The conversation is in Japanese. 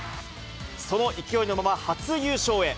その勢いのまま初優勝へ。